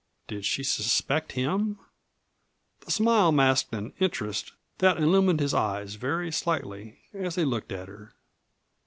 Did she suspect him? The smile masked an interest that illumined his eyes very slightly as he looked at her.